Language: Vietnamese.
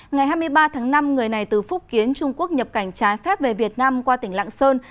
ngày hai mươi ba tháng năm người này từ phúc kiến trung quốc nhập cảnh trái phép về việt nam qua tỉnh lạng sơn